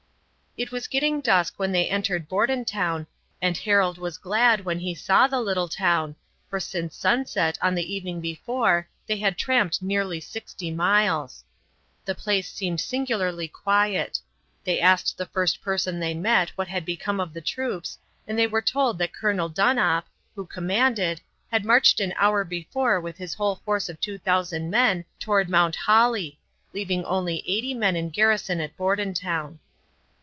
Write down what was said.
It was getting dusk when they entered Bordentown, and Harold was glad when he saw the little town, for since sunset on the evening before they had tramped nearly sixty miles. The place seemed singularly quiet. They asked the first person they met what had become of the troops, and they were told that Colonel Donop, who commanded, had marched an hour before with his whole force of 2000 men toward Mount Holly, leaving only 80 men in garrison at Bordentown.